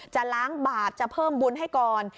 จะล้างบาปจะเพิ่มบุญให้ก่อน